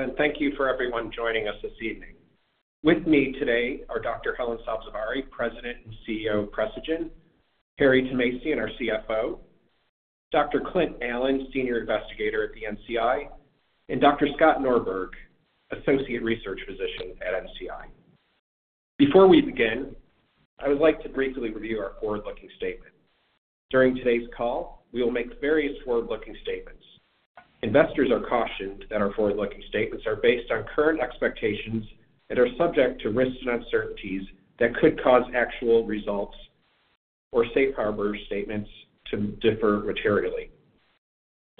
...and thank you for everyone joining us this evening. With me today are Dr. Helen Sabzevari, President and CEO of Precigen, Harry Thomasian, our CFO, Dr. Clint Allen, Senior Investigator at the NCI, and Dr. Scott Norberg, Associate Research Physician at NCI. Before we begin, I would like to briefly review our forward-looking statement. During today's call, we will make various forward-looking statements. Investors are cautioned that our forward-looking statements are based on current expectations and are subject to risks and uncertainties that could cause actual results or safe harbor statements to differ materially.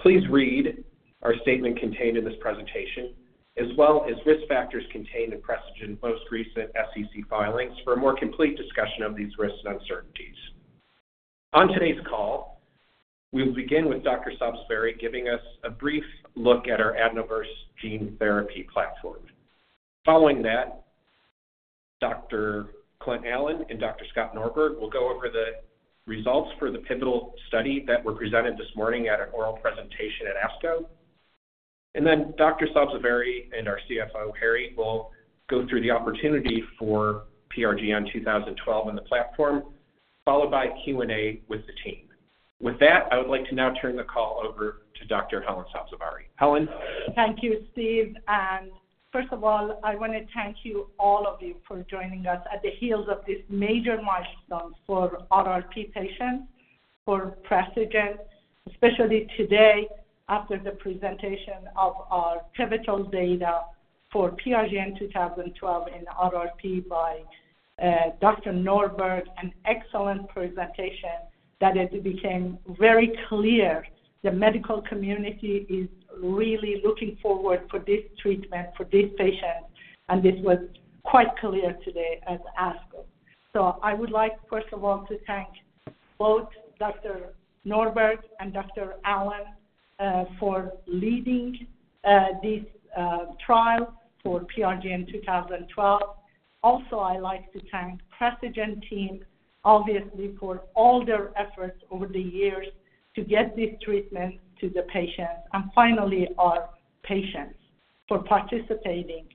Please read our statement contained in this presentation, as well as risk factors contained in Precigen's most recent SEC filings, for a more complete discussion of these risks and uncertainties. On today's call, we will begin with Dr. Sabzevari giving us a brief look at our AdenoVerse gene therapy platform. Following that, Dr. Clint Allen and Dr. Scott Norberg will go over the results for the pivotal study that were presented this morning at an oral presentation at ASCO. And then Dr. Sabzevari and our CFO, Harry, will go through the opportunity for PRGN-2012 in the platform, followed by Q&A with the team. With that, I would like to now turn the call over to Dr. Helen Sabzevari. Helen? Thank you, Steve. First of all, I want to thank you, all of you, for joining us at the heels of this major milestone for RRP patients, for Precigen, especially today after the presentation of our pivotal data for PRGN-2012 in RRP by Dr. Norberg. An excellent presentation that it became very clear the medical community is really looking forward for this treatment for these patients, and this was quite clear today at ASCO. So I would like, first of all, to thank both Dr. Norberg and Dr. Allen for leading this trial for PRGN-2012. Also, I'd like to thank Precigen team, obviously, for all their efforts over the years to get this treatment to the patients. Finally, our patients for participating,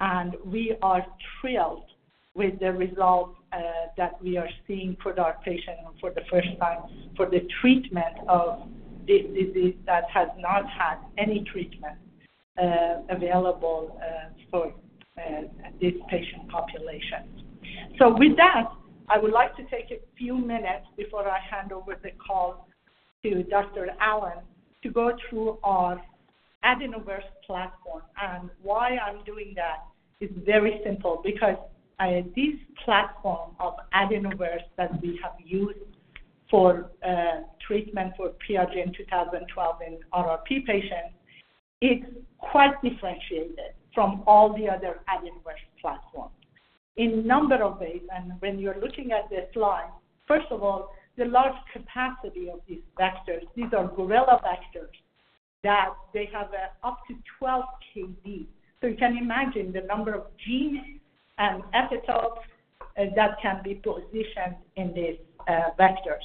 and we are thrilled with the results that we are seeing for our patients for the first time, for the treatment of this disease that has not had any treatment available for this patient population. With that, I would like to take a few minutes before I hand over the call to Dr. Allen, to go through our AdenoVerse platform. Why I'm doing that is very simple, because this platform of AdenoVerse that we have used for treatment for PRGN-2012 in RRP patients is quite differentiated from all the other AdenoVerse platforms. In a number of ways, and when you're looking at this slide, first of all, the large capacity of these vectors, these are gorilla vectors, that they have up to 12 KB. So you can imagine the number of genes and epitopes that can be positioned in these vectors.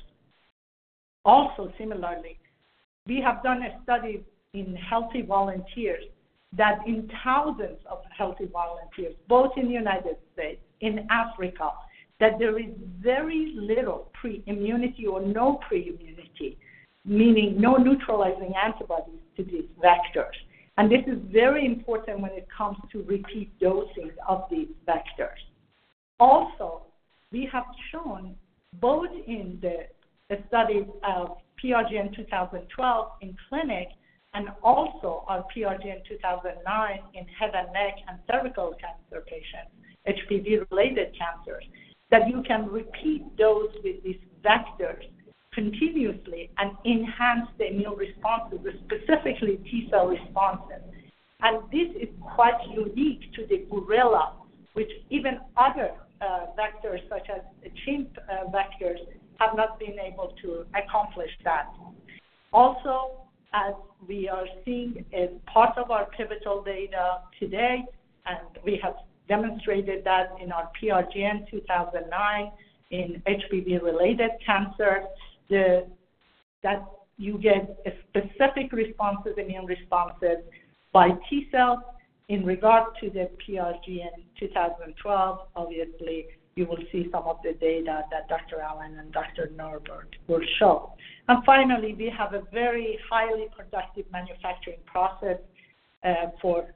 Also, similarly, we have done a study in healthy volunteers, that in thousands of healthy volunteers, both in the United States, in Africa, that there is very little pre-immunity or no pre-immunity, meaning no neutralizing antibodies to these vectors. This is very important when it comes to repeat dosings of these vectors. Also, we have shown both in the studies of PRGN-2012 in clinic and also our PRGN-2009 in head and neck and cervical cancer patients, HPV-related cancers, that you can repeat those with these vectors continuously and enhance the immune responses, specifically T cell responses. This is quite unique to the gorilla, which even other vectors, such as chimp vectors, have not been able to accomplish that. Also, as we are seeing as part of our pivotal data today, and we have demonstrated that in our PRGN-2009 in HPV-related cancer, that you get a specific responses, immune responses by T cells. In regard to the PRGN-2012, obviously, you will see some of the data that Dr. Allen and Dr. Norberg will show. Finally, we have a very highly productive manufacturing process for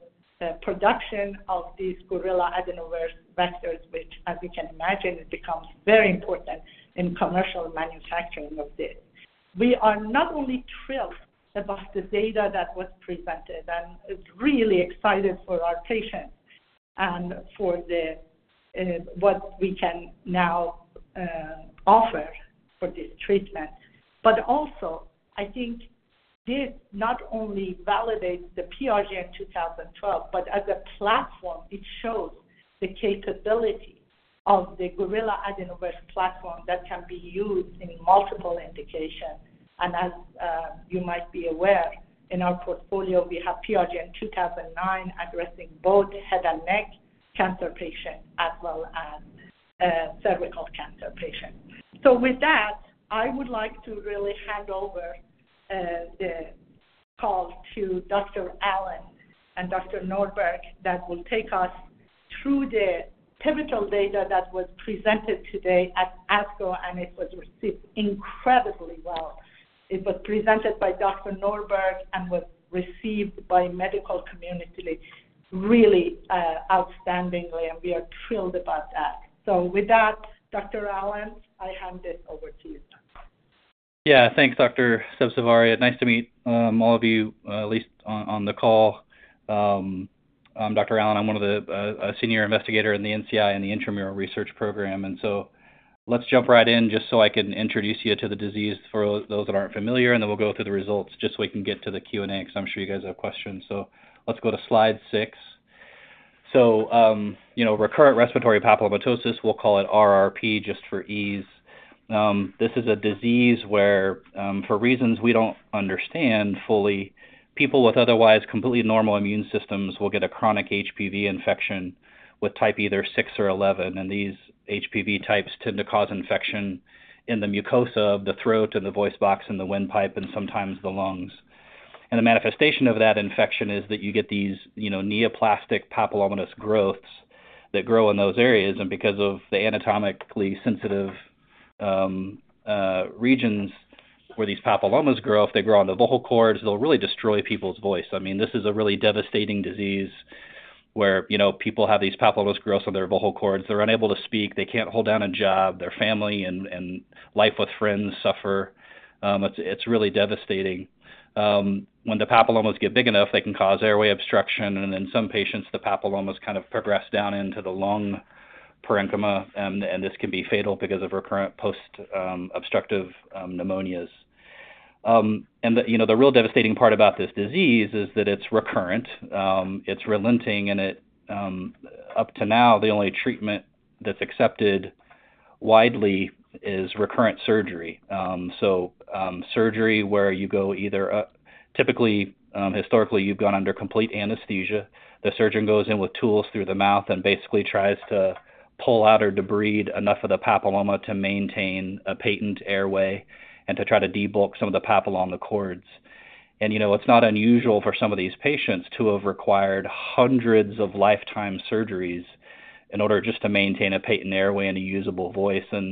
production of these Gorilla AdenoVerse vectors, which, as you can imagine, it becomes very important in commercial manufacturing of this. We are not only thrilled about the data that was presented and really excited for our patients and for the what we can now offer for this treatment. Also, I think this not only validates the PRGN-2012, but as a platform, it shows the capability of the Gorilla AdenoVerse platform that can be used in multiple indications. As you might be aware, in our portfolio, we have PRGN-2009 addressing both head and neck cancer patients as well as cervical cancer patient. So with that, I would like to really hand over the call to Dr. Allen and Dr. Norberg, that will take us through the pivotal data that was presented today at ASCO, and it was received incredibly well. It was presented by Dr. Norberg and was received by medical community really outstandingly, and we are thrilled about that. So with that, Dr. Allen, I hand this over to you. Yeah. Thanks, Dr. Sabzevari. Nice to meet all of you, at least on the call. I'm Dr. Allen. I'm a senior investigator in the NCI in the Intramural Research Program. So let's jump right in just so I can introduce you to the disease for those that aren't familiar, and then we'll go through the results just so we can get to the Q&A, because I'm sure you guys have questions. So let's go to slide 6. So, you know, recurrent respiratory papillomatosis, we'll call it RRP just for ease. This is a disease where, for reasons we don't understand fully, people with otherwise completely normal immune systems will get a chronic HPV infection with type either 6 or 11, and these HPV types tend to cause infection in the mucosa of the throat and the voice box and the windpipe, and sometimes the lungs. And the manifestation of that infection is that you get these, you know, neoplastic papillomatous growths that grow in those areas, and because of the anatomically sensitive regions where these papillomas grow, if they grow on the vocal cords, they'll really destroy people's voice. I mean, this is a really devastating disease where, you know, people have these papillomas growths on their vocal cords. They're unable to speak, they can't hold down a job, their family and life with friends suffer. It's really devastating. When the papillomas get big enough, they can cause airway obstruction, and in some patients, the papillomas kind of progress down into the lung parenchyma, and this can be fatal because of recurrent post-obstructive pneumonias. You know, the real devastating part about this disease is that it's recurrent, it's relenting, and it up to now, the only treatment that's accepted widely is recurrent surgery. So, surgery where you go either, typically, historically, you've gone under complete anesthesia. The surgeon goes in with tools through the mouth and basically tries to pull out or debride enough of the papilloma to maintain a patent airway and to try to debulk some of the papilloma on the cords. You know, it's not unusual for some of these patients to have required hundreds of lifetime surgeries in order just to maintain a patent airway and a usable voice. You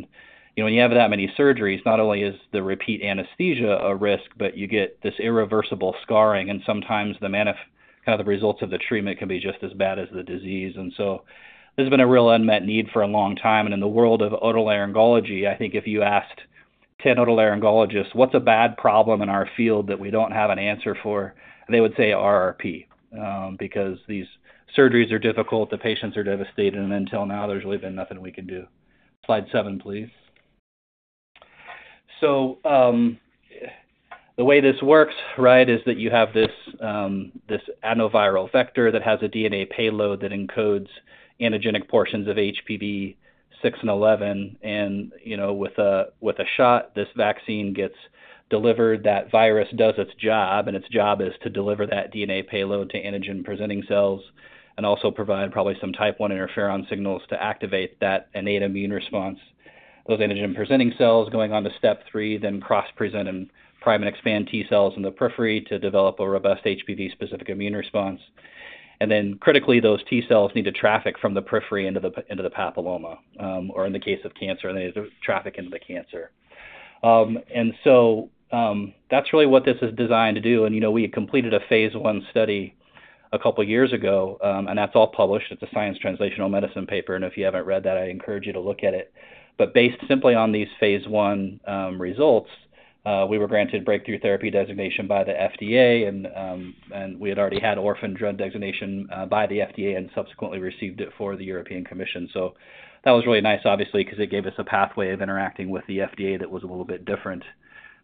know, when you have that many surgeries, not only is the repeat anesthesia a risk, but you get this irreversible scarring, and sometimes kind of the results of the treatment can be just as bad as the disease. So there's been a real unmet need for a long time. In the world of otolaryngology, I think if you asked 10 otolaryngologists, "What's a bad problem in our field that we don't have an answer for?" They would say RRP, because these surgeries are difficult, the patients are devastated, and until now, there's really been nothing we can do. Slide 7, please. The way this works, right, is that you have this adenoviral vector that has a DNA payload that encodes antigenic portions of HPV 6 and 11. You know, with a shot, this vaccine gets delivered. That virus does its job, and its job is to deliver that DNA payload to antigen-presenting cells and also provide probably some type I interferon signals to activate that innate immune response. Those antigen-presenting cells going on to step 3, then cross-present and prime and expand T cells in the periphery to develop a robust HPV-specific immune response. Then, critically, those T cells need to traffic from the periphery into the papilloma, or in the case of cancer, they traffic into the cancer. That's really what this is designed to do. You know, we had completed a phase I study a couple of years ago, and that's all published. It's a Science Translational Medicine paper, and if you haven't read that, I encourage you to look at it. But based simply on these phase I results, we were granted Breakthrough Therapy Designation by the FDA, and we had already had Orphan Drug Designation by the FDA and subsequently received it for the European Commission. So that was really nice, obviously, because it gave us a pathway of interacting with the FDA that was a little bit different.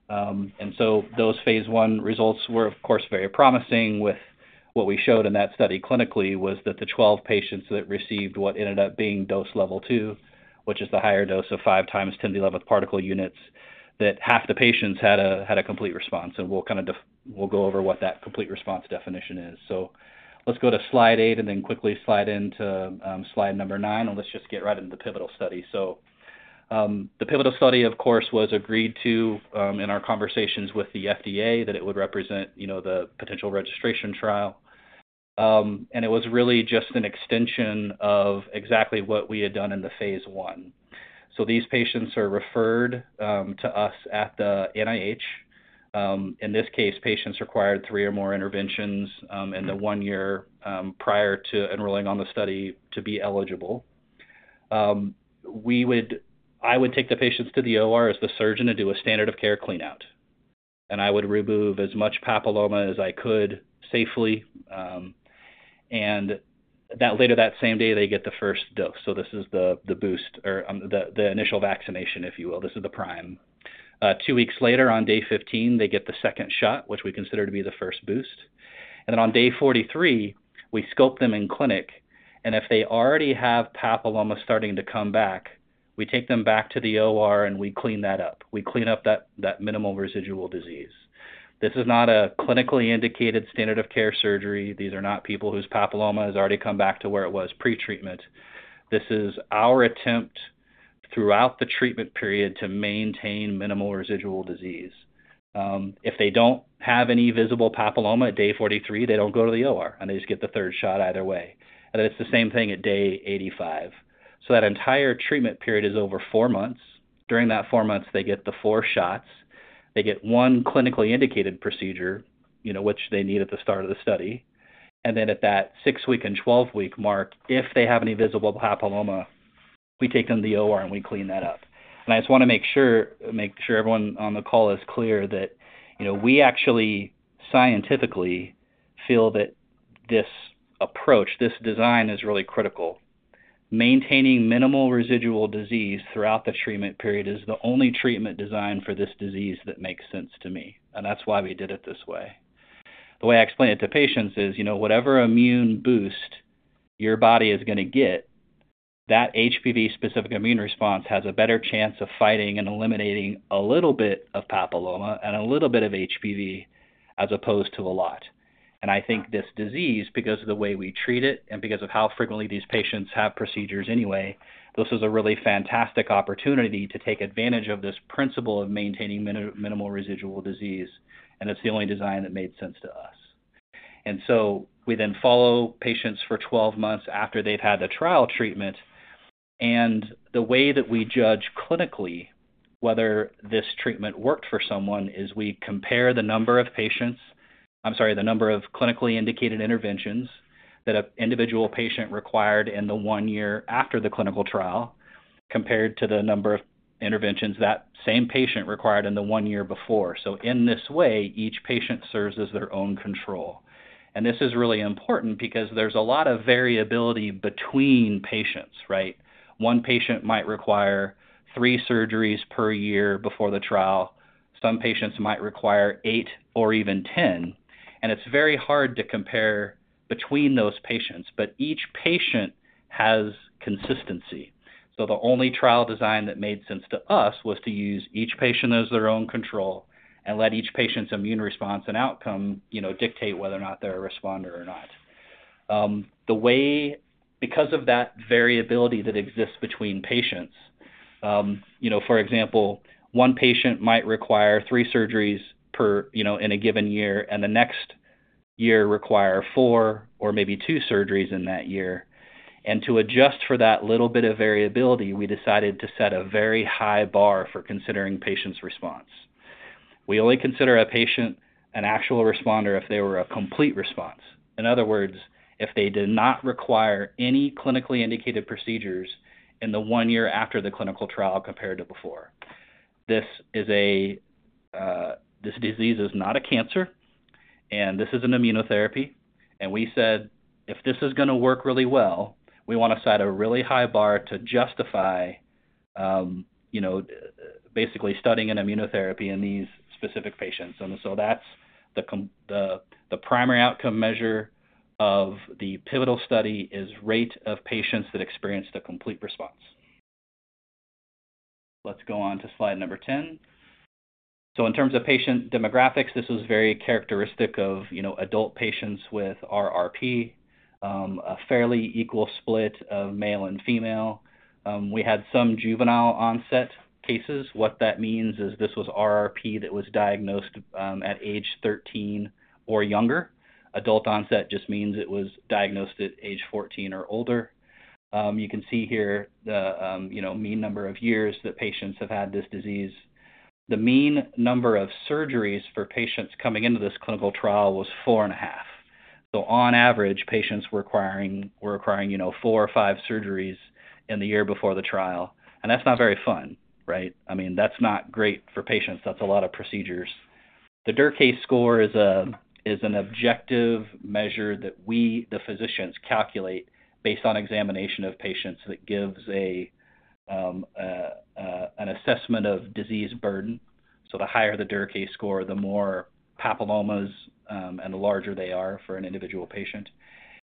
And so those phase I results were, of course, very promising. With what we showed in that study clinically was that the 12 patients that received what ended up being dose level 2, which is the higher dose of 5 times 10 to the 11th particle units, that half the patients had a complete response, and we'll kind of we'll go over what that complete response definition is. So let's go to slide 8 and then quickly slide into, slide number 9, and let's just get right into the pivotal study. So, the pivotal study, of course, was agreed to, in our conversations with the FDA, that it would represent, you know, the potential registration trial. And it was really just an extension of exactly what we had done in the phase I. So these patients are referred, to us at the NIH. In this case, patients required 3 or more interventions in the 1 year prior to enrolling on the study to be eligible. I would take the patients to the OR as the surgeon and do a standard of care cleanout, and I would remove as much papilloma as I could safely, and later that same day, they get the first dose. So this is the boost or the initial vaccination, if you will. This is the prime. 2 weeks later, on day 15, they get the second shot, which we consider to be the first boost. Then on day 43, we scope them in clinic, and if they already have papilloma starting to come back, we take them back to the OR, and we clean that up. We clean up that minimal residual disease. This is not a clinically indicated standard of care surgery. These are not people whose papilloma has already come back to where it was pre-treatment. This is our attempt throughout the treatment period to maintain minimal residual disease. If they don't have any visible papilloma at day 43, they don't go to the OR, and they just get the third shot either way. It's the same thing at day 85. That entire treatment period is over four months. During that four months, they get the four shots. They get one clinically indicated procedure, you know, which they need at the start of the study. Then at that six-week and 12-week mark, if they have any visible papilloma, we take them to the OR, and we clean that up. I just want to make sure, make sure everyone on the call is clear that, you know, we actually scientifically feel that this approach, this design, is really critical. Maintaining minimal residual disease throughout the treatment period is the only treatment design for this disease that makes sense to me, and that's why we did it this way. The way I explain it to patients is, you know, whatever immune boost your body is going to get, that HPV-specific immune response has a better chance of fighting and eliminating a little bit of papilloma and a little bit of HPV, as opposed to a lot. I think this disease, because of the way we treat it and because of how frequently these patients have procedures anyway, this is a really fantastic opportunity to take advantage of this principle of maintaining minimal residual disease, and it's the only design that made sense to us. So we then follow patients for 12 months after they've had the trial treatment. The way that we judge clinically whether this treatment worked for someone is we compare the number of patients... I'm sorry, the number of clinically indicated interventions that an individual patient required in the 1 year after the clinical trial, compared to the number of interventions that same patient required in the 1 year before. In this way, each patient serves as their own control. This is really important because there's a lot of variability between patients, right? One patient might require 3 surgeries per year before the trial, some patients might require 8 or even 10, and it's very hard to compare between those patients, but each patient has consistency. So the only trial design that made sense to us was to use each patient as their own control and let each patient's immune response and outcome, you know, dictate whether or not they're a responder or not. Because of that variability that exists between patients, you know, for example, one patient might require 3 surgeries per, you know, in a given year, and the next year require 4 or maybe 2 surgeries in that year. To adjust for that little bit of variability, we decided to set a very high bar for considering patients' response. We only consider a patient an actual responder if they were a complete response. In other words, if they did not require any clinically indicated procedures in the one year after the clinical trial compared to before. This is a, this disease is not a cancer, and this is an immunotherapy. We said, "If this is going to work really well, we want to set a really high bar to justify, you know, basically studying an immunotherapy in these specific patients." So that's the primary outcome measure of the pivotal study, is rate of patients that experienced a complete response. Let's go on to slide number 10. So in terms of patient demographics, this was very characteristic of, you know, adult patients with RRP, a fairly equal split of male and female. We had some juvenile-onset cases. What that means is this was RRP that was diagnosed at age 13 or younger. Adult onset just means it was diagnosed at age 14 or older. You can see here the, you know, mean number of years that patients have had this disease. The mean number of surgeries for patients coming into this clinical trial was 4.5. So on average, patients were requiring, were requiring, you know, 4 or 5 surgeries in the year before the trial. And that's not very fun, right? I mean, that's not great for patients. That's a lot of procedures. The Derkay score is, is an objective measure that we, the physicians, calculate based on examination of patients that gives a, an assessment of disease burden. So the higher the Derkay score, the more papillomas, and the larger they are for an individual patient.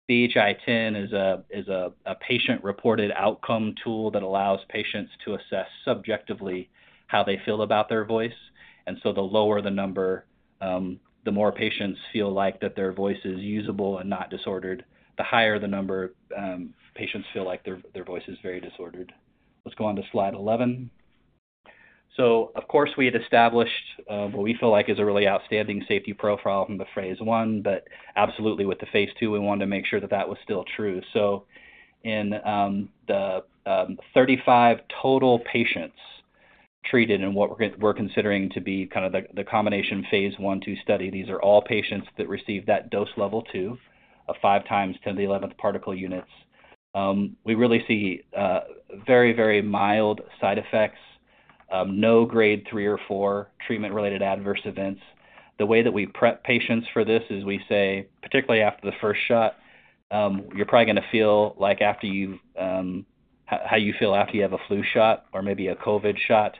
VHI-10 is a patient-reported outcome tool that allows patients to assess subjectively how they feel about their voice. And so the lower the number, the more patients feel like that their voice is usable and not disordered. The higher the number, patients feel like their voice is very disordered. Let's go on to slide 11. So of course, we had established what we feel like is a really outstanding safety profile from the phase one, but absolutely with the phase II, we wanted to make sure that that was still true. So in the 35 total patients treated, and what we're considering to be kind of the combination phase one-two study, these are all patients that received that dose level 2 of 5 × 10 to the 11th particle units. We really see very, very mild side effects, no grade three or four treatment-related adverse events. The way that we prep patients for this is we say, particularly after the first shot, "You're probably going to feel like after you've how you feel after you have a flu shot or maybe a COVID shot."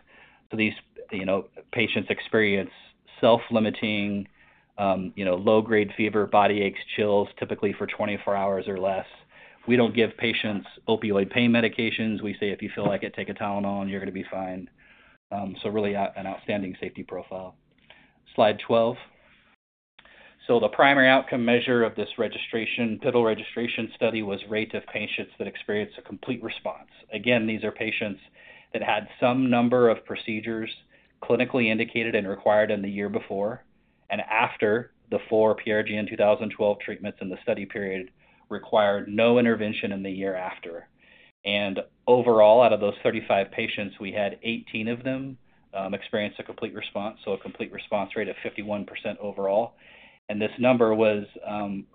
So these, you know, patients experience self-limiting, you know, low-grade fever, body aches, chills, typically for 24 hours or less. We don't give patients opioid pain medications. We say, if you feel like it, take a Tylenol and you're going to be fine. So really, an outstanding safety profile. Slide 12. So the primary outcome measure of this registration, pivotal registration study was rate of patients that experienced a Complete Response. Again, these are patients that had some number of procedures clinically indicated and required in the year before, and after the four PRGN-2012 treatments in the study period, required no intervention in the year after. Overall, out of those 35 patients, we had 18 of them experience a complete response, so a complete response rate of 51% overall. This number was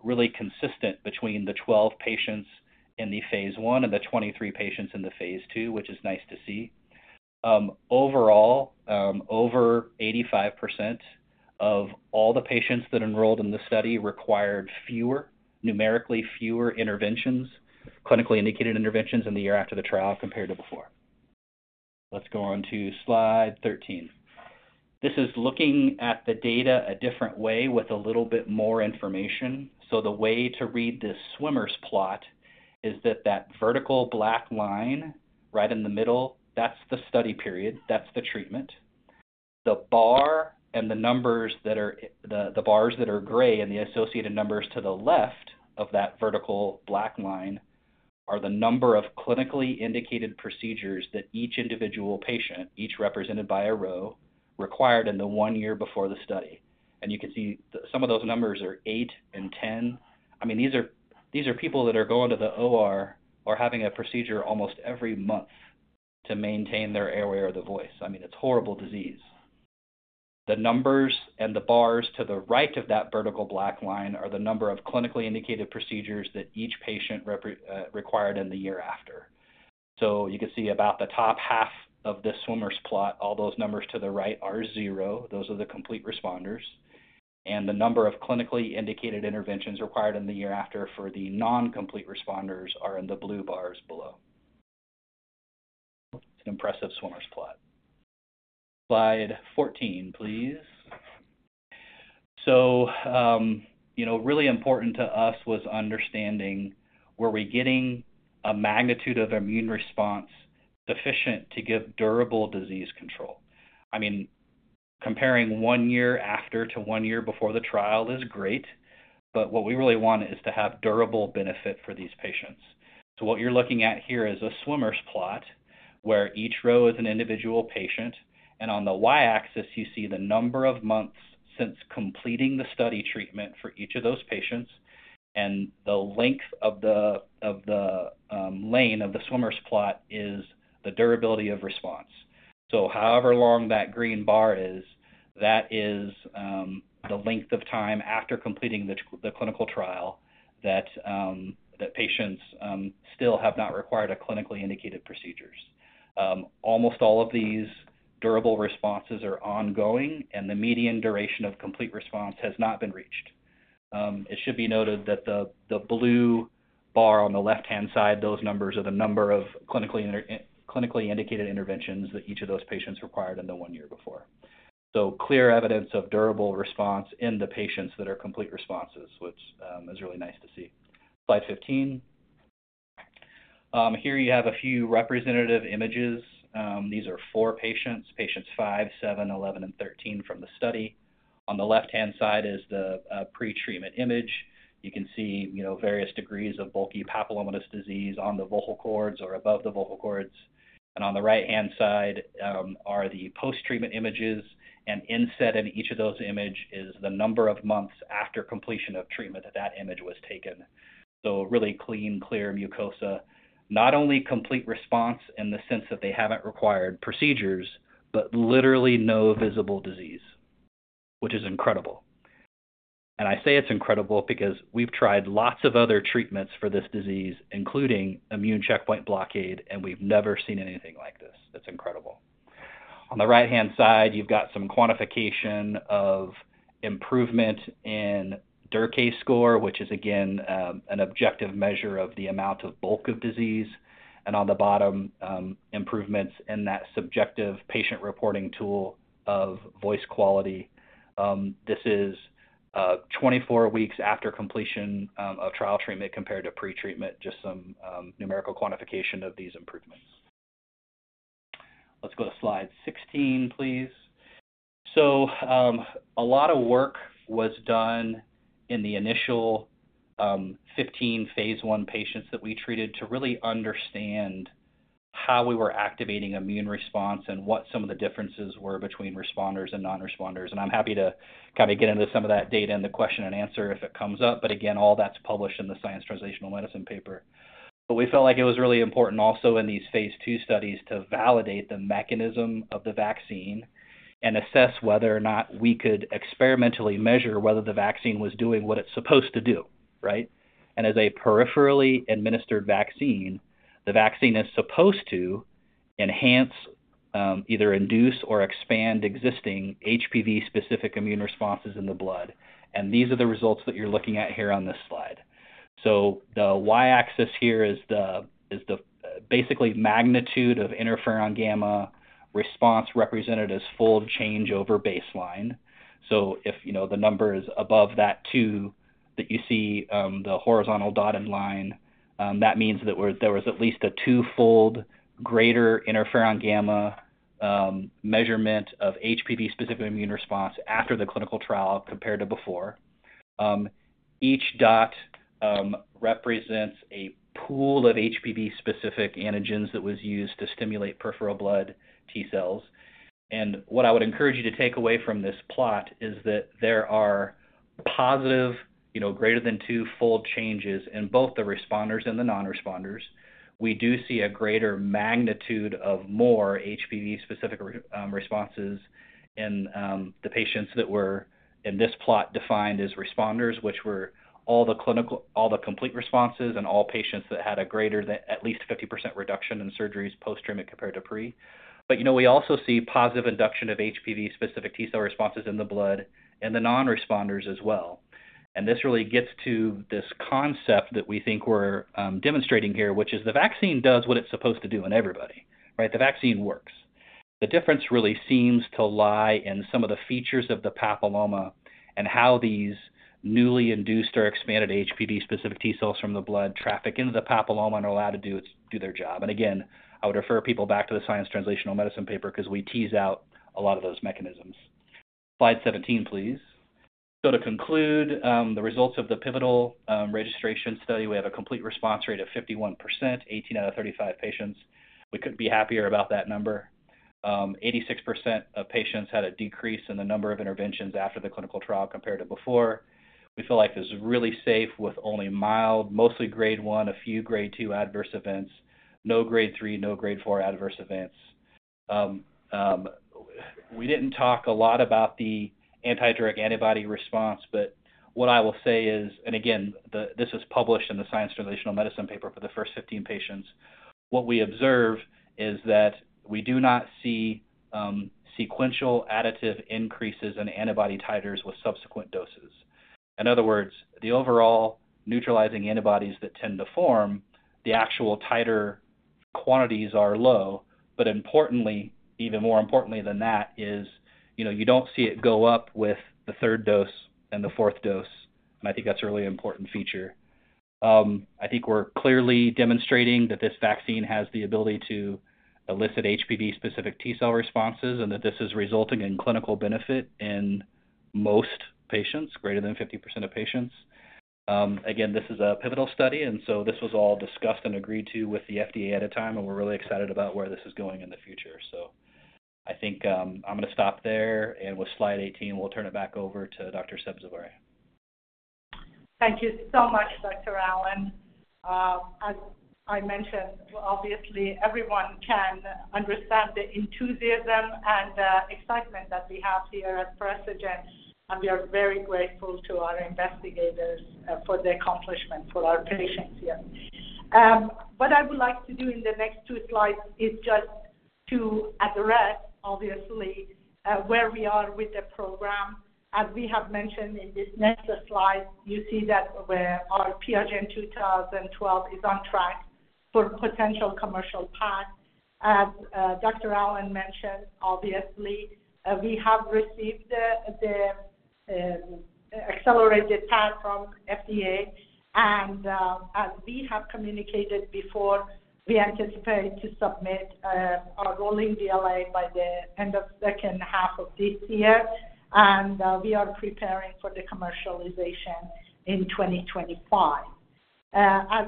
really consistent between the 12 patients in the phase I and the 23 patients in the phase II, which is nice to see. Overall, over 85% of all the patients that enrolled in the study required fewer, numerically fewer interventions, clinically indicated interventions in the year after the trial compared to before. Let's go on to Slide 13. This is looking at the data a different way with a little bit more information. So the way to read this swimmer's plot is that that vertical black line right in the middle, that's the study period, that's the treatment. The bars that are gray and the associated numbers to the left of that vertical black line are the number of clinically indicated procedures that each individual patient, each represented by a row, required in the one year before the study. And you can see some of those numbers are 8 and 10. I mean, these are people that are going to the OR or having a procedure almost every month to maintain their airway or the voice. I mean, it's a horrible disease. The numbers and the bars to the right of that vertical black line are the number of clinically indicated procedures that each patient required in the year after. You can see about the top half of this swimmer's plot, all those numbers to the right are zero. Those are the complete responders. The number of clinically indicated interventions required in the year after for the non-complete responders are in the blue bars below. It's an impressive swimmer's plot. Slide 14, please. So, you know, really important to us was understanding, were we getting a magnitude of immune response sufficient to give durable disease control? I mean, comparing 1 year after to 1 year before the trial is great, but what we really want is to have durable benefit for these patients. So what you're looking at here is a swimmer's plot, where each row is an individual patient, and on the Y-axis, you see the number of months since completing the study treatment for each of those patients, and the length of the lane of the swimmer's plot is the durability of response. So however long that green bar is, that is the length of time after completing the clinical trial, that the patients still have not required a clinically indicated procedures. Almost all of these durable responses are ongoing, and the median duration of complete response has not been reached. It should be noted that the blue bar on the left-hand side, those numbers are the number of clinically indicated interventions that each of those patients required in the one year before. Clear evidence of durable response in the patients that are complete responses, which is really nice to see. Slide 15. Here you have a few representative images. These are four patients, patients 5, 7, 11, and 13 from the study. On the left-hand side is the pretreatment image. You can see various degrees of bulky papillomatous disease on the vocal cords or above the vocal cords. And on the right-hand side are the post-treatment images, and inset in each of those images is the number of months after completion of treatment that that image was taken. So really clean, clear mucosa, not only complete response in the sense that they haven't required procedures, but literally no visible disease, which is incredible. I say it's incredible because we've tried lots of other treatments for this disease, including immune checkpoint blockade, and we've never seen anything like this. That's incredible. On the right-hand side, you've got some quantification of improvement in Derkay score, which is, again, an objective measure of the amount of bulk of disease, and on the bottom, improvements in that subjective patient reporting tool of voice quality. This is 24 weeks after completion of trial treatment compared to pretreatment, just some numerical quantification of these improvements. Let's go to slide 16, please. A lot of work was done in the initial 15 phase I patients that we treated to really understand how we were activating immune response and what some of the differences were between responders and non-responders. And I'm happy to get into some of that data in the question and answer if it comes up. But again, all that's published in the Science Translational Medicine paper. But we felt like it was really important also in these phase II studies, to validate the mechanism of the vaccine and assess whether or not we could experimentally measure whether the vaccine was doing what it's supposed to do, right? And as a peripherally administered vaccine, the vaccine is supposed to enhance, either induce or expand existing HPV-specific immune responses in the blood. And these are the results that you're looking at here on this slide. So the Y-axis here is the basically magnitude of interferon gamma response represented as fold change over baseline. So if, you know, the number is above that 2 that you see, the horizontal dotted line, that means that there was at least a twofold greater interferon gamma measurement of HPV-specific immune response after the clinical trial compared to before. Each dot represents a pool of HPV-specific antigens that was used to stimulate peripheral blood T cells. And what I would encourage you to take away from this plot is that there are positive, you know, greater than two full changes in both the responders and the non-responders. We do see a greater magnitude of more HPV-specific responses in the patients that were in this plot, defined as responders, which were all the clinical—all the complete responses, and all patients that had a greater than at least 50% reduction in surgeries post-treatment compared to pre. But, you know, we also see positive induction of HPV-specific T cell responses in the blood and the non-responders as well. And this really gets to this concept that we think we're demonstrating here, which is the vaccine does what it's supposed to do in everybody, right? The vaccine works. The difference really seems to lie in some of the features of the papilloma and how these newly induced or expanded HPV-specific T cells from the blood traffic into the papilloma and are allowed to do its, do their job. And again, I would refer people back to the Science Translational Medicine paper because we tease out a lot of those mechanisms. Slide 17, please. So to conclude, the results of the pivotal registration study, we have a complete response rate of 51%, 18 out of 35 patients. We couldn't be happier about that number. 86% of patients had a decrease in the number of interventions after the clinical trial compared to before. We feel like this is really safe, with only mild, mostly grade one, a few grade two adverse events. No grade three, no grade four adverse events. We didn't talk a lot about the anti-drug antibody response, but what I will say is, and again, this is published in the Science Translational Medicine paper for the first 15 patients. What we observe is that we do not see sequential additive increases in antibody titers with subsequent doses. In other words, the overall neutralizing antibodies that tend to form the actual titer quantities are low. But importantly, even more importantly than that, is, you know, you don't see it go up with the third dose and the fourth dose, and I think that's a really important feature. I think we're clearly demonstrating that this vaccine has the ability to elicit HPV-specific T cell responses, and that this is resulting in clinical benefit in most patients, greater than 50% of patients. Again, this is a pivotal study, and so this was all discussed and agreed to with the FDA at a time, and we're really excited about where this is going in the future. So I think, I'm going to stop there, and with slide 18, we'll turn it back over to Dr. Sabzevari. Thank you so much, Dr. Allen. As I mentioned, obviously everyone can understand the enthusiasm and, excitement that we have here at Precigen, and we are very grateful to our investigators, for the accomplishment for our patients here. What I would like to do in the next two slides is just to address, obviously, where we are with the program. As we have mentioned in this next slide, you see that where our PRGN-2012 is on track for potential commercial path. As, Dr. Allen mentioned, obviously, we have received the accelerated path from FDA, and, as we have communicated before, we anticipate to submit, our rolling BLA by the end of second half of this year, and, we are preparing for the commercialization in 2025. As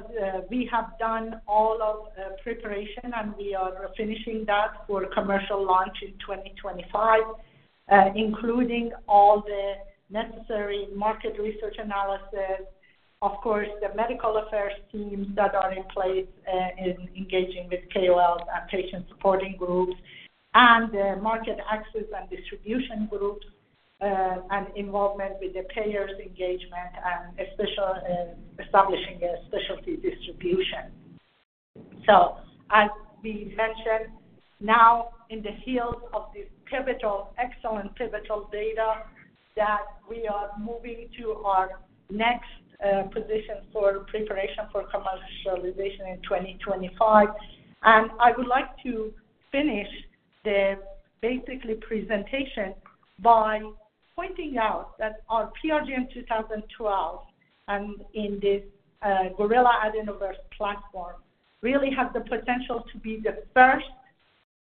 we have done all of preparation and we are finishing that for commercial launch in 2025, including all the necessary market research analysis, of course, the medical affairs teams that are in place, in engaging with KOLs and patient supporting groups, and the market access and distribution groups, and involvement with the payers engagement and specialty, establishing a specialty distribution. So as we mentioned, now on the heels of this pivotal, excellent pivotal data, that we are moving to our next position for preparation for commercialization in 2025. I would like to finish the basically presentation by pointing out that our PRGN-2012 and in this, gorilla adenovirus platform, really has the potential to be the first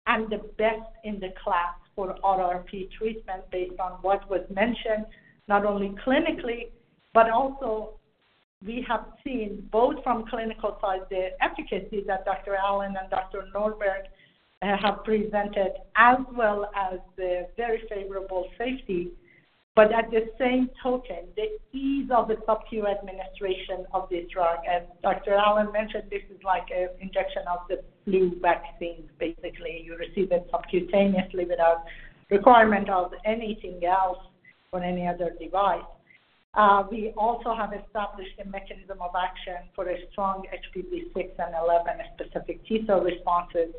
and the best in the class for RRP treatment, based on what was mentioned, not only clinically, but also we have seen both from clinical side, the efficacy that Dr. Allen and Dr. Norberg have presented, as well as the very favorable safety. But at the same token, the ease of the subcutaneous administration of the drug, as Dr. Allen mentioned, this is like a injection of the flu vaccine. Basically, you receive it subcutaneously without requirement of anything else or any other device. We also have established a mechanism of action for a strong HPV 6 and 11 specific T cell responses,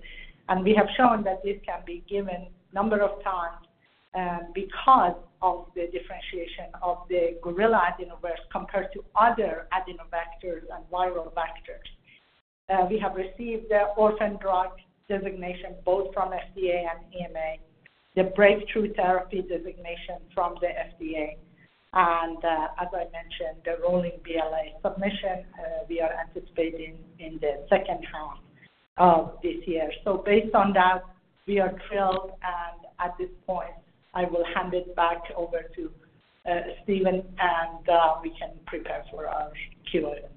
and we have shown that this can be given number of times.... Because of the differentiation of the gorilla adenovirus compared to other adenoviruses and viral vectors. We have received the orphan drug designation, both from FDA and EMA, the breakthrough therapy designation from the FDA, and, as I mentioned, the rolling BLA submission, we are anticipating in the second half of this year. So based on that, we are thrilled, and at this point, I will hand it back over to Steven, and we can prepare for our Q&A.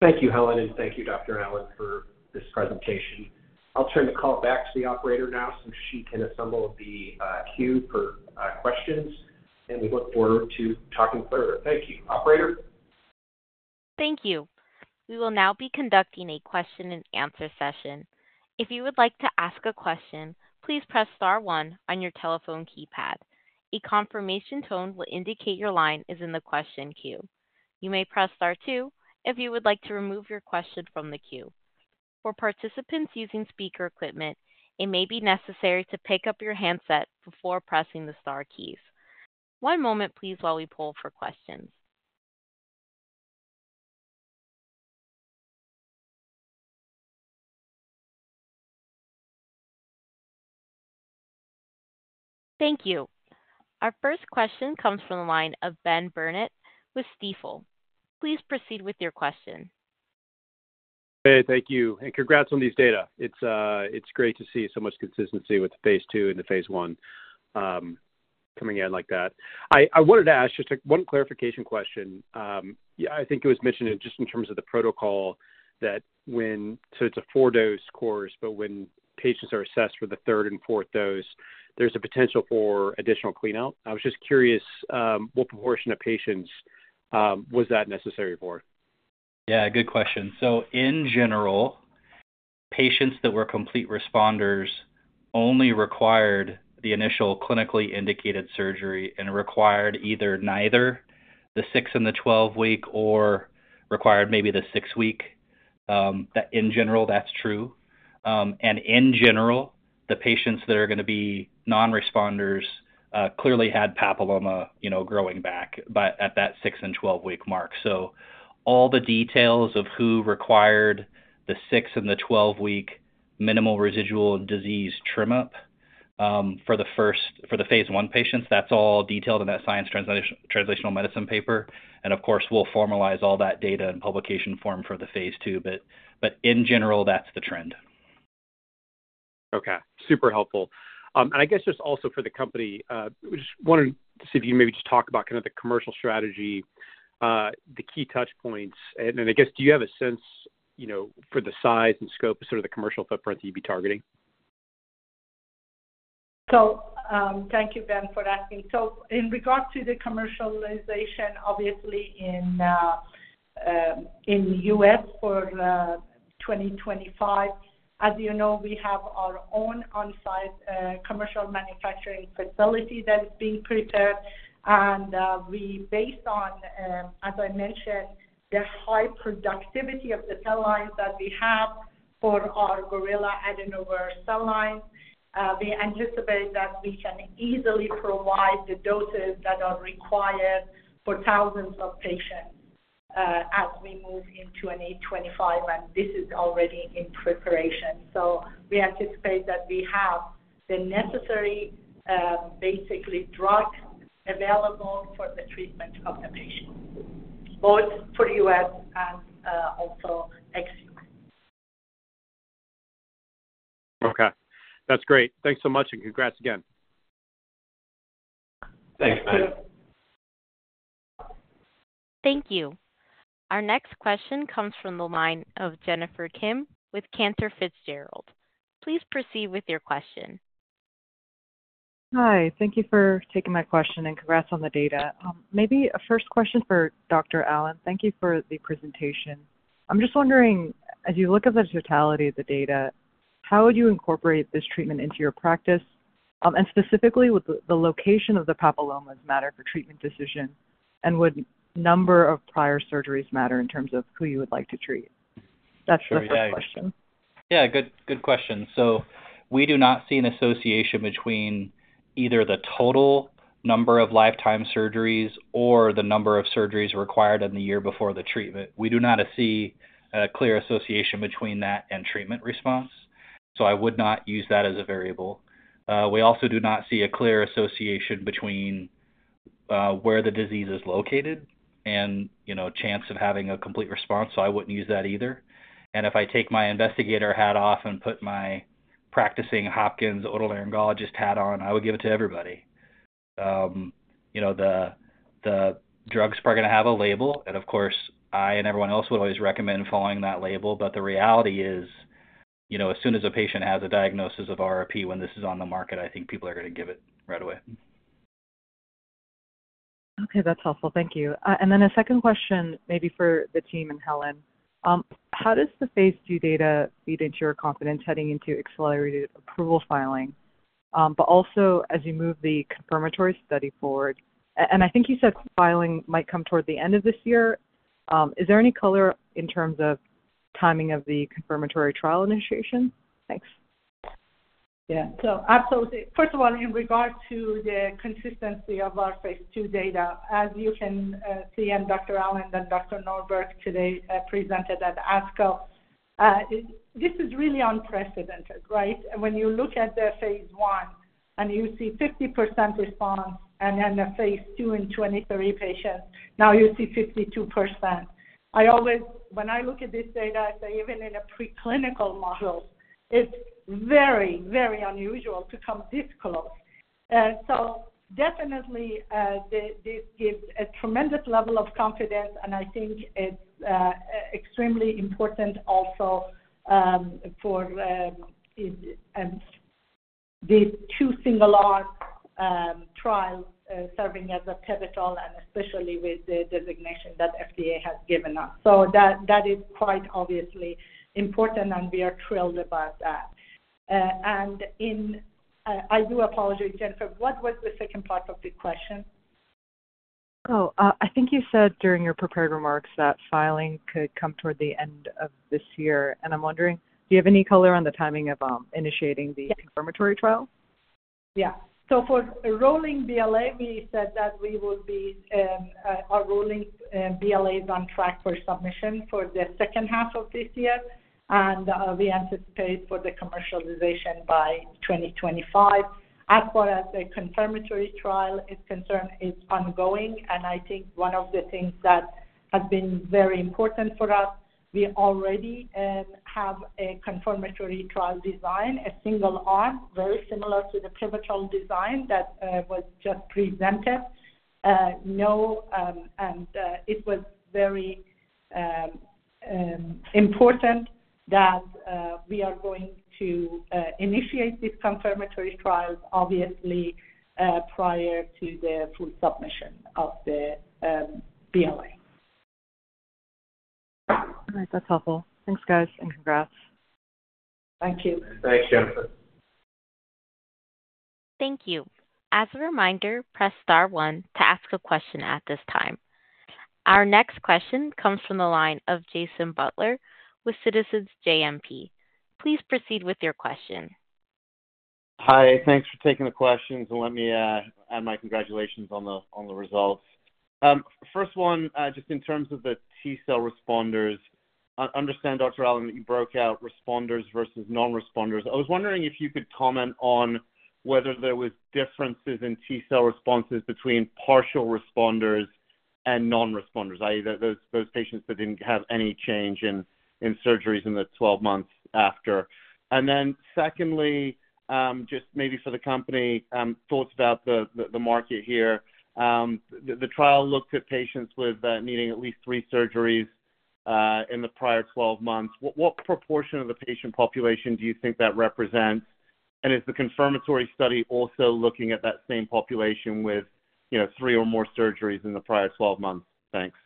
Thank you, Helen, and thank you, Dr. Allen, for this presentation. I'll turn the call back to the operator now, so she can assemble the queue for questions, and we look forward to talking further. Thank you. Operator? Thank you. We will now be conducting a question-and-answer session. If you would like to ask a question, please press star one on your telephone keypad. A confirmation tone will indicate your line is in the question queue. You may press star two if you would like to remove your question from the queue. For participants using speaker equipment, it may be necessary to pick up your handset before pressing the star keys. One moment, please, while we pull for questions. Thank you. Our first question comes from the line of Ben Burnett with Stifel. Please proceed with your question. Hey, thank you, and congrats on these data. It's, it's great to see so much consistency with the phase II and the phase I, coming in like that. I wanted to ask just like one clarification question. Yeah, I think it was mentioned just in terms of the protocol, that when... so it's a 4-dose course, but when patients are assessed for the third and fourth dose, there's a potential for additional cleanout. I was just curious, what proportion of patients, was that necessary for? Yeah, good question. So in general, patients that were complete responders only required the initial clinically indicated surgery and required either neither the 6- and 12-week or required maybe the 6-week, that in general, that's true. And in general, the patients that are gonna be non-responders, clearly had papilloma, you know, growing back, but at that 6- and 12-week mark. So all the details of who required the 6- and 12-week minimal residual disease trim up, for the phase I patients, that's all detailed in that Science Translational Medicine paper. And of course, we'll formalize all that data in publication form for the phase II, but in general, that's the trend. Okay, super helpful. And I guess just also for the company, just wanted to see if you maybe just talk about kind of the commercial strategy, the key touchpoints. And then, I guess, do you have a sense, you know, for the size and scope of sort of the commercial footprint that you'd be targeting? So, thank you, Ben, for asking. So in regards to the commercialization, obviously in the U.S. for 2025, as you know, we have our own on-site commercial manufacturing facility that is being prepared. And, we based on, as I mentioned, the high productivity of the cell lines that we have for our gorilla adenovirus cell lines, we anticipate that we can easily provide the doses that are required for thousands of patients, as we move into 2025, and this is already in preparation. So we anticipate that we have the necessary, basically drug available for the treatment of the patient, both for U.S. and, also ex-U.S. Okay. That's great. Thanks so much, and congrats again. Thanks, Ben. Thank you. Our next question comes from the line of Jennifer Kim with Cantor Fitzgerald. Please proceed with your question. Hi, thank you for taking my question, and congrats on the data. Maybe a first question for Dr. Allen. Thank you for the presentation. I'm just wondering, as you look at the totality of the data, how would you incorporate this treatment into your practice? And specifically, would the location of the papillomas matter for treatment decision? And would number of prior surgeries matter in terms of who you would like to treat? That's the first question. Yeah, good, good question. So we do not see an association between either the total number of lifetime surgeries or the number of surgeries required in the year before the treatment. We do not see a clear association between that and treatment response, so I would not use that as a variable. We also do not see a clear association between where the disease is located and, you know, chance of having a complete response, so I wouldn't use that either. And if I take my investigator hat off and put my practicing Johns Hopkins otolaryngologist hat on, I would give it to everybody. You know, the drugs are gonna have a label, and of course, I and everyone else would always recommend following that label. The reality is, you know, as soon as a patient has a diagnosis of RRP, when this is on the market, I think people are gonna give it right away. Okay, that's helpful. Thank you. And then a second question, maybe for the team and Helen. How does the phase II data feed into your confidence heading into accelerated approval filing? But also as you move the confirmatory study forward, and I think you said filing might come toward the end of this year. Is there any color in terms of timing of the confirmatory trial initiation? Thanks. Yeah. So absolutely. First of all, in regard to the consistency of our phase two data, as you can see, and Dr. Allen and Dr. Norberg today presented at ASCO, this is really unprecedented, right? When you look at the phase one and you see 50% response and then the phase two in 23 patients, now you see 52%. I always—when I look at this data, say, even in a preclinical model, it's very, very unusual to come this close. So definitely, this gives a tremendous level of confidence, and I think it's extremely important also for these two similar trials serving as a pivotal and especially with the designation that FDA has given us. So that is quite obviously important, and we are thrilled about that. I do apologize, Jennifer, what was the second part of the question? Oh, I think you said during your prepared remarks that filing could come toward the end of this year, and I'm wondering, do you have any color on the timing of initiating the- Yes. confirmatory trial? Yeah. So for a rolling BLA, we said that we will be our rolling BLAs on track for submission for the second half of this year, and we anticipate for the commercialization by 2025. As far as a confirmatory trial is concerned, it's ongoing, and I think one of the things that has been very important for us, we already have a confirmatory trial design, a single arm, very similar to the pivotal design that was just presented. It was very important that we are going to initiate these confirmatory trials, obviously, prior to the full submission of the BLA. All right. That's helpful. Thanks, guys, and congrats. Thank you. Thanks, Jennifer. Thank you. As a reminder, press star one to ask a question at this time. Our next question comes from the line of Jason Butler with Citizens JMP. Please proceed with your question. Hi. Thanks for taking the questions, and let me add my congratulations on the results. First one, just in terms of the T cell responders. I understand, Dr. Allen, that you broke out responders versus non-responders. I was wondering if you could comment on whether there was differences in T cell responses between partial responders and non-responders, i.e., those patients that didn't have any change in surgeries in the 12 months after. And then secondly, just maybe for the company, thoughts about the market here. The trial looked at patients needing at least 3 surgeries in the prior 12 months. What proportion of the patient population do you think that represents? Is the confirmatory study also looking at that same population with, you know, 3 or more surgeries in the prior 12 months? Thanks.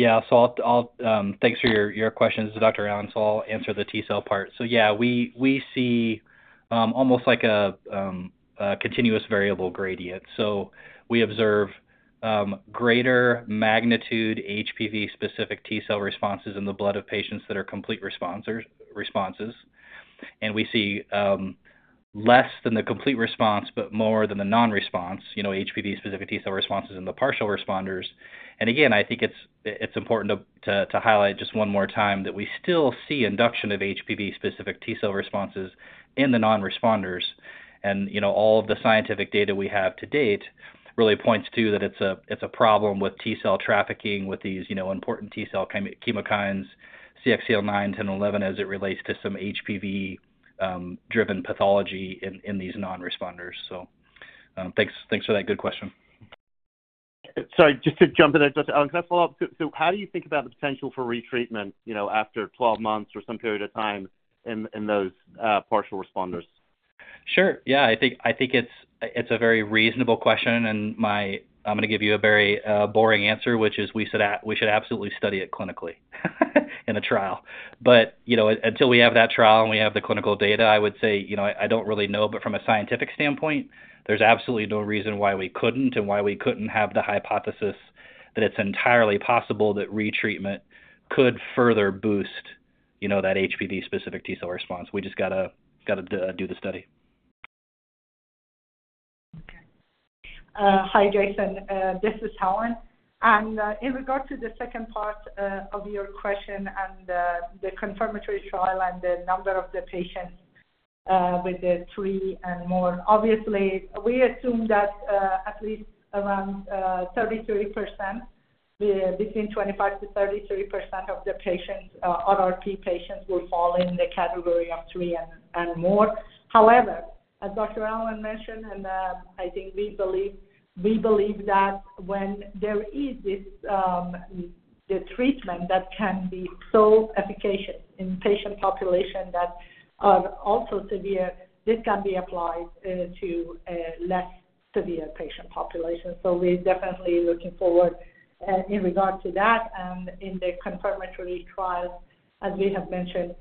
Yeah. So I'll... Thanks for your questions, Dr. Allen. So I'll answer the T cell part. So yeah, we see almost like a continuous variable gradient. So we observe greater magnitude HPV-specific T cell responses in the blood of patients that are complete responses, responses. And we see less than the complete response, but more than the non-response, you know, HPV-specific T cell responses in the partial responders. And again, I think it's important to highlight just one more time that we still see induction of HPV-specific T cell responses in the non-responders. You know, all of the scientific data we have to date really points to that it's a, it's a problem with T cell trafficking, with these, you know, important T cell chemokines, CXCL9, 10, 11, as it relates to some HPV driven pathology in these non-responders. So, thanks for that good question. Sorry, just to jump in there, Dr. Allen, can I follow up? So, so how do you think about the potential for retreatment, you know, after 12 months or some period of time in, in those partial responders? Sure. Yeah, I think it's a very reasonable question, and, I'm going to give you a very boring answer, which is we should we should absolutely study it clinically, in a trial. But, you know, until we have that trial and we have the clinical data, I would say, you know, I don't really know. But from a scientific standpoint, there's absolutely no reason why we couldn't and why we couldn't have the hypothesis that it's entirely possible that retreatment could further boost, you know, that HPV-specific T cell response. We just got to do the study. Okay. Hi, Jason. This is Helen. And, in regard to the second part of your question and the confirmatory trial and the number of the patients with the three and more, obviously, we assume that at least around 33%, between 25%-33% of the patients, RRP patients will fall in the category of three and more. However, as Dr. Allen mentioned, and I think we believe, we believe that when there is this the treatment that can be so efficacious in patient population that are also severe, this can be applied to a less severe patient population. So we're definitely looking forward in regard to that. And in the confirmatory trial, as we have mentioned,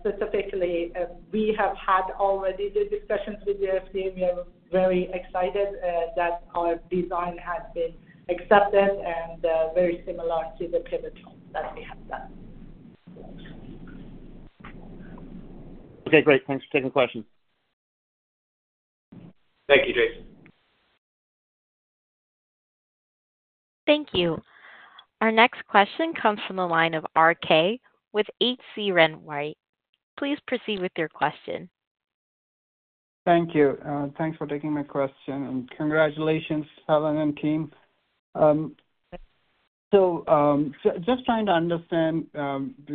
specifically, we have had already the discussions with the FDA. We are very excited that our design has been accepted and very similar to the pivotal that we have done. ... Okay, great. Thanks for taking the question. Thank you, Jason. Thank you. Our next question comes from the line of RK with H.C. Wainwright. Please proceed with your question. Thank you. Thanks for taking my question, and congratulations, Allen and team. So, just trying to understand, within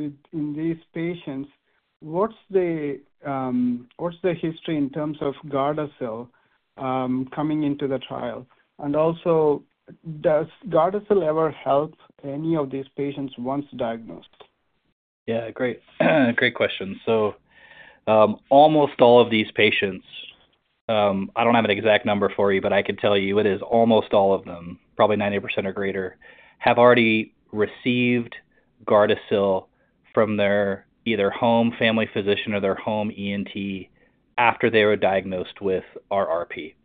these patients, what's the history in terms of Gardasil coming into the trial? And also, does Gardasil ever help any of these patients once diagnosed? Yeah, great. Great question. So, almost all of these patients, I don't have an exact number for you, but I can tell you it is almost all of them, probably 90% or greater, have already received Gardasil from their either home family physician or their home ENT after they were diagnosed with RRP.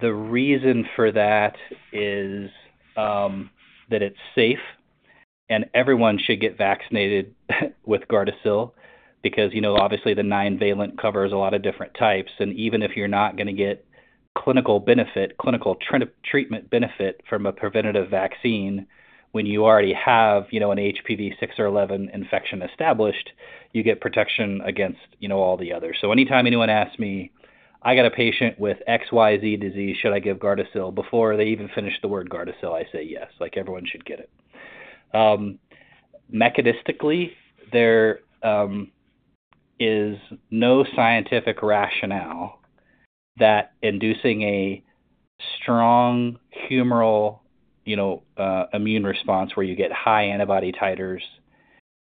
The reason for that is, that it's safe, and everyone should get vaccinated with Gardasil because, you know, obviously the 9-valent covers a lot of different types, and even if you're not gonna get clinical benefit, clinical treatment benefit from a preventative vaccine when you already have, you know, an HPV 6 or 11 infection established, you get protection against, you know, all the others. So anytime anyone asks me, "I got a patient with XYZ disease, should I give Gardasil?" Before they even finish the word Gardasil, I say, "Yes, like, everyone should get it." Mechanistically, there is no scientific rationale that inducing a strong humoral, you know, immune response, where you get high antibody titers,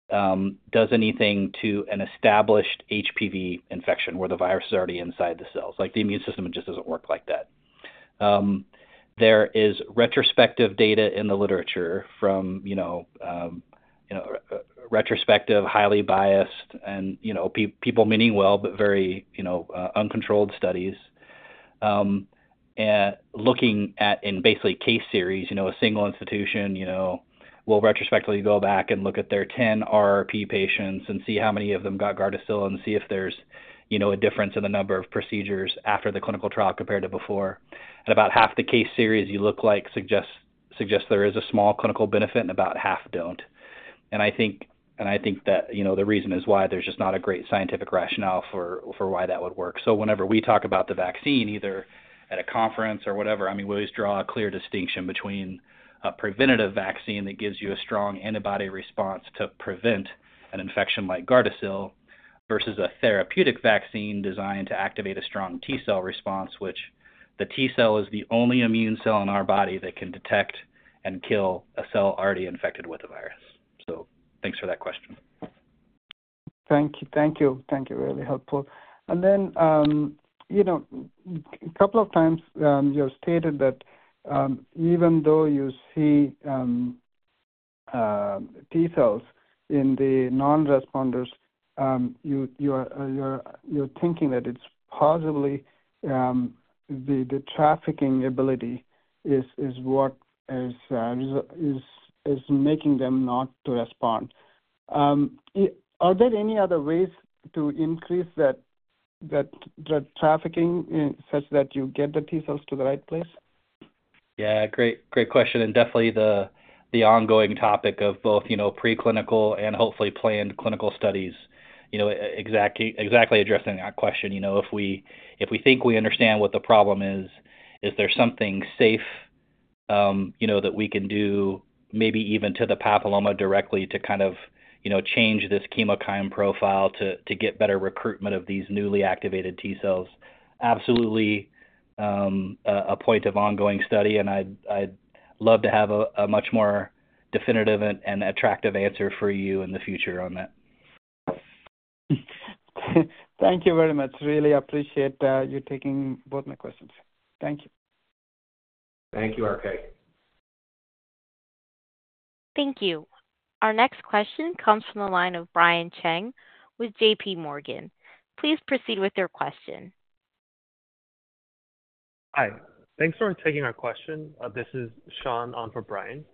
does anything to an established HPV infection, where the virus is already inside the cells. Like, the immune system just doesn't work like that. There is retrospective data in the literature from, you know, you know, retrospective, highly biased and, you know, people meaning well, but very, you know, uncontrolled studies. And looking at in basically case series, you know, a single institution, you know, will retrospectively go back and look at their 10 RRP patients and see how many of them got Gardasil and see if there's, you know, a difference in the number of procedures after the clinical trial compared to before. And about half the case series you look at suggest there is a small clinical benefit and about half don't. And I think that, you know, the reason is why there's just not a great scientific rationale for why that would work. So whenever we talk about the vaccine, either at a conference or whatever, I mean, we always draw a clear distinction between a preventative vaccine that gives you a strong antibody response to prevent an infection like Gardasil versus a therapeutic vaccine designed to activate a strong T cell response, which the T cell is the only immune cell in our body that can detect and kill a cell already infected with the virus. So thanks for that question. Thank you. Thank you, thank you. Really helpful. And then, you know, a couple of times, you have stated that, even though you see T cells in the non-responders, you are thinking that it's possibly the trafficking ability is what is making them not to respond. Are there any other ways to increase that, the trafficking in such that you get the T cells to the right place? Yeah, great, great question, and definitely the ongoing topic of both, you know, preclinical and hopefully planned clinical studies. You know, exactly, exactly addressing that question, you know, if we think we understand what the problem is, is there something safe, you know, that we can do maybe even to the papilloma directly to kind of, you know, change this chemokine profile to get better recruitment of these newly activated T cells? Absolutely, a point of ongoing study, and I'd love to have a much more definitive and attractive answer for you in the future on that. Thank you very much. Really appreciate, you taking both my questions. Thank you. Thank you, RK. Thank you. Our next question comes from the line of Brian Cheng with J.P. Morgan. Please proceed with your question. Hi, thanks for taking our question. This is Sean on for Brian.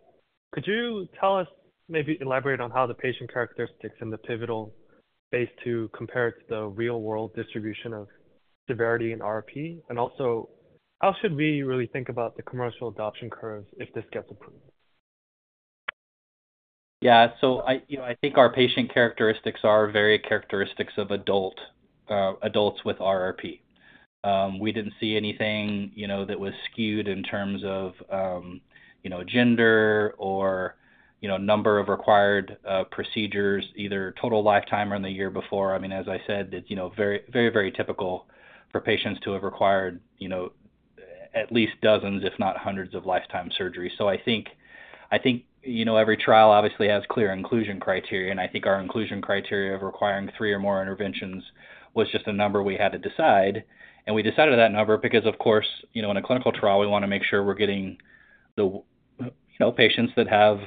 Could you tell us, maybe elaborate on how the patient characteristics in the pivotal phase two compare to the real-world distribution of severity in RRP? And also, how should we really think about the commercial adoption curves if this gets approved? Yeah. So I, you know, I think our patient characteristics are very characteristics of adult adults with RRP. We didn't see anything, you know, that was skewed in terms of, you know, gender or, you know, number of required procedures, either total lifetime or in the year before. I mean, as I said, it's, you know, very, very, very typical for patients to have required, you know, at least dozens, if not hundreds of lifetime surgeries. So I think, I think, you know, every trial obviously has clear inclusion criteria, and I think our inclusion criteria of requiring three or more interventions was just a number we had to decide. And we decided that number because, of course, you know, in a clinical trial, we want to make sure we're getting the, you know, patients that have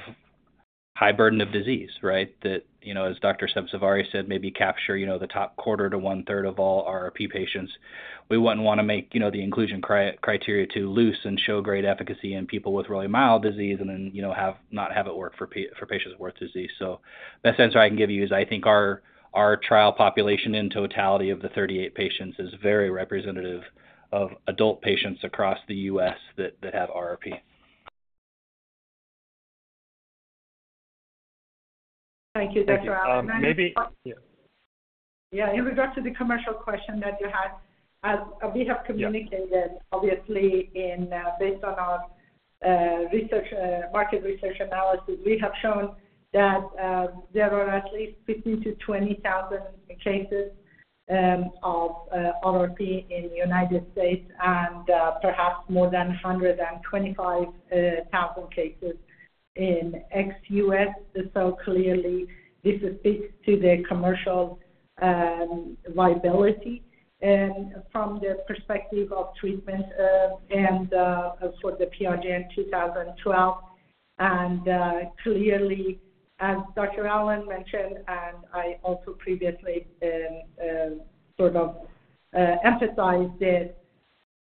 high burden of disease, right? That, you know, as Dr. Sabzevari said, maybe capture, you know, the top quarter to one-third of all RRP patients. We wouldn't want to make, you know, the inclusion criteria too loose and show great efficacy in people with really mild disease and then, you know, not have it work for patients with worse disease. So the best answer I can give you is, I think our trial population in totality of the 38 patients is very representative of adult patients across the U.S. that have RRP. Thank you, Dr. Allen. Thank you. Maybe- Yeah. Yeah, in regards to the commercial question that you had, as we have communicated- Yeah. Obviously, based on our research market research analysis, we have shown that there are at least 15,000-20,000 cases of RRP in the United States and perhaps more than 125,000 cases in ex-US. So clearly, this speaks to the commercial viability, and from the perspective of treatment and for the PRGN-2012. And clearly, as Dr. Allen mentioned, and I also previously sort of emphasized it,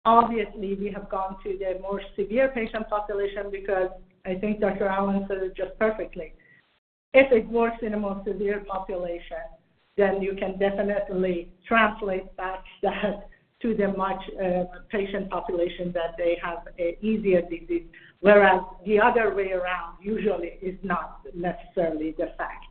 obviously, we have gone to the more severe patient population because I think Dr. Allen said it just perfectly. If it works in a more severe population, then you can definitely translate back that to the much patient population that they have a easier disease, whereas the other way around usually is not necessarily the fact.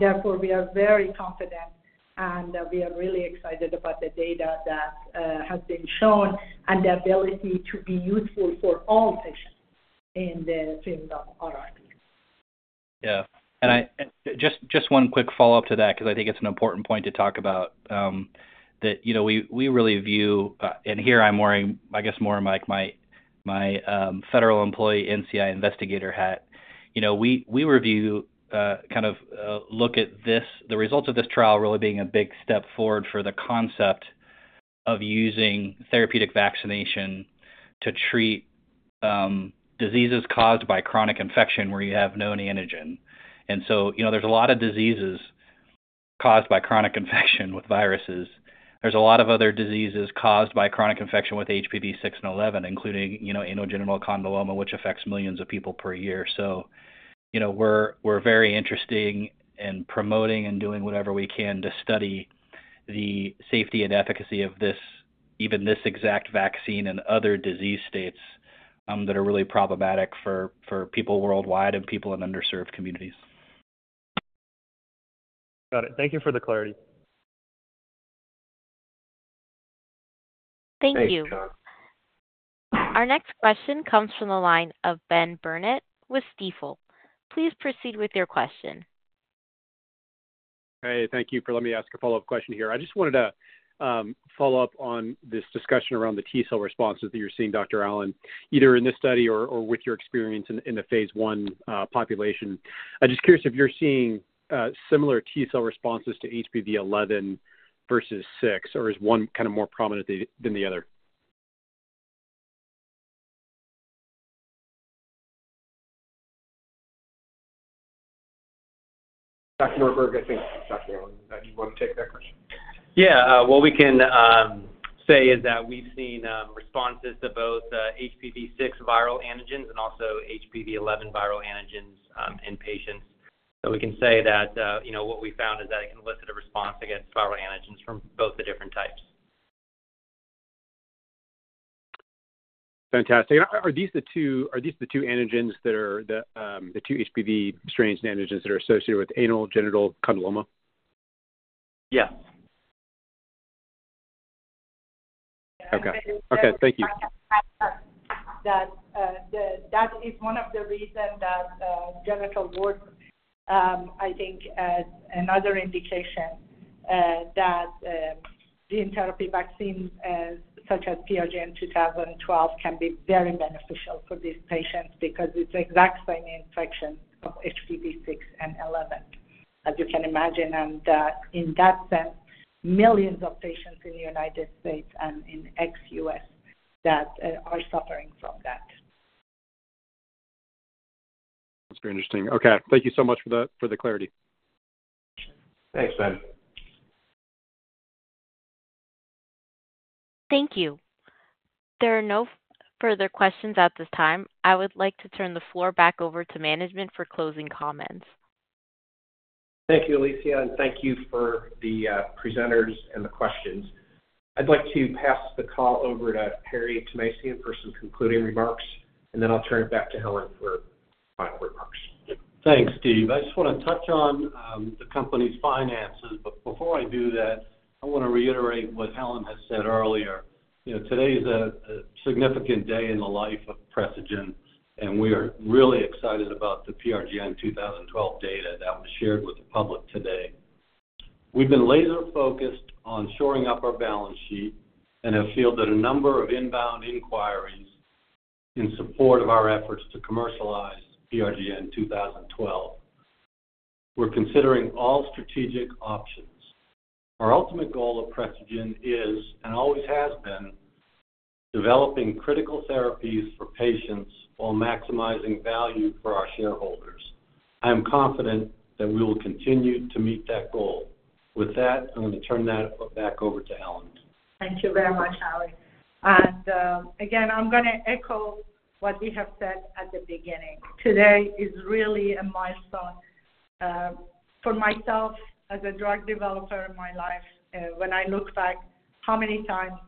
Therefore, we are very confident, and we are really excited about the data that has been shown and the ability to be useful for all patients in the treatment of RRP. Yeah. And just one quick follow-up to that because I think it's an important point to talk about. That, you know, we really view, and here I'm wearing, I guess, more of my, my, federal employee, NCI investigator hat. You know, we, we review, kind of, look at this. The results of this trial really being a big step forward for the concept of using therapeutic vaccination to treat, diseases caused by chronic infection, where you have no antigen. And so, you know, there's a lot of diseases caused by chronic infection with viruses. There's a lot of other diseases caused by chronic infection with HPV 6 and 11, including, you know, anogenital condyloma, which affects millions of people per year. So, you know, we're very interested in promoting and doing whatever we can to study the safety and efficacy of this, even this exact vaccine and other disease states, that are really problematic for people worldwide and people in underserved communities. Got it. Thank you for the clarity. Thank you. Thanks, John. Our next question comes from the line of Ben Burnett with Stifel. Please proceed with your question. Hey, thank you for letting me ask a follow-up question here. I just wanted to follow up on this discussion around the T-cell responses that you're seeing, Dr. Allen, either in this study or with your experience in the phase I population. I'm just curious if you're seeing similar T-cell responses to HPV 11 versus 6, or is one kind of more prominent than the other? Dr. Norberg, I think, Dr. Allen, do you want to take that question? Yeah, what we can say is that we've seen responses to both HPV-6 viral antigens and also HPV-11 viral antigens in patients. So we can say that, you know, what we found is that it can elicit a response against viral antigens from both the different types. Fantastic. And are these the two antigens that are the two HPV strains and antigens that are associated with anogenital condyloma? Yes. Okay. Okay, thank you. That is one of the reasons that genital warts, I think, another indication that gene therapy vaccines such as PRGN-2012 can be very beneficial for these patients because it's the exact same infection of HPV 6 and 11, as you can imagine. And in that sense, millions of patients in the United States and in ex-US that are suffering from that. That's very interesting. Okay, thank you so much for the clarity. Thanks, Ben. Thank you. There are no further questions at this time. I would like to turn the floor back over to management for closing comments. Thank you, Alicia, and thank you for the presenters and the questions. I'd like to pass the call over to Harry Thomasian for some concluding remarks, and then I'll turn it back to Helen for final remarks. Thanks, Steve. I just want to touch on the company's finances, but before I do that, I want to reiterate what Helen had said earlier. You know, today is a significant day in the life of Precigen, and we are really excited about the PRGN-2012 data that was shared with the public today. We've been laser-focused on shoring up our balance sheet and have fielded a number of inbound inquiries in support of our efforts to commercialize PRGN-2012. We're considering all strategic options. Our ultimate goal at Precigen is, and always has been-developing critical therapies for patients while maximizing value for our shareholders. I am confident that we will continue to meet that goal. With that, I'm going to turn that back over to Helen. Thank you very much, Harry. Again, I'm gonna echo what we have said at the beginning. Today is really a milestone for myself as a drug developer in my life. When I look back, how many times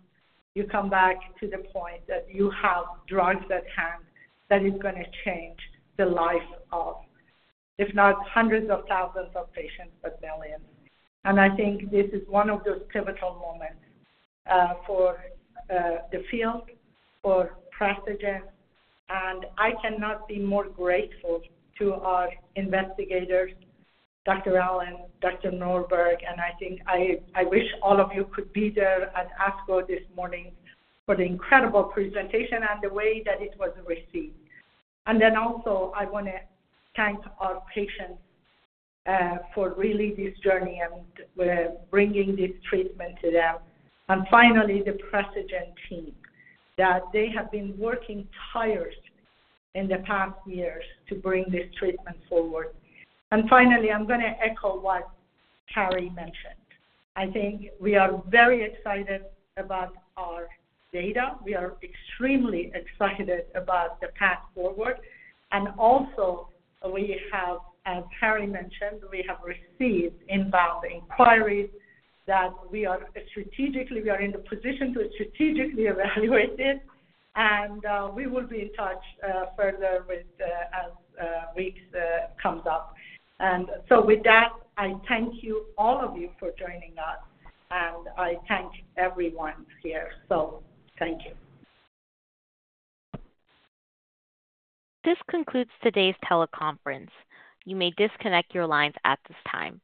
you come back to the point that you have drugs at hand, that is gonna change the life of, if not hundreds of thousands of patients, but millions? I think this is one of those pivotal moments for the field, for Precigen, and I cannot be more grateful to our investigators, Dr. Allen, Dr. Norberg. I think I wish all of you could be there at ASCO this morning for the incredible presentation and the way that it was received. Then also, I wanna thank our patients for really this journey and bringing this treatment to them. And finally, the Precigen team, that they have been working tirelessly in the past years to bring this treatment forward. And finally, I'm gonna echo what Harry mentioned. I think we are very excited about our data. We are extremely excited about the path forward. And also we have, as Harry mentioned, we have received inbound inquiries that we are strategically, we are in the position to strategically evaluate it, and we will be in touch further with as weeks comes up. And so with that, I thank you, all of you, for joining us, and I thank everyone here. So thank you. This concludes today's teleconference. You may disconnect your lines at this time.